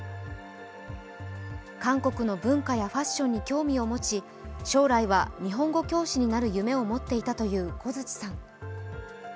韓国の文化やファッションに興味を持ち将来は日本語教師になる夢を持っていたという小槌さん。